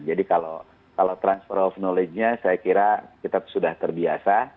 jadi kalau transfer of knowledge nya saya kira kita sudah terbiasa